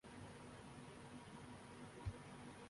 جہاں پر رہتے ہیں وہاں پر تیسرے درجے کے شہری ہوتے ہیں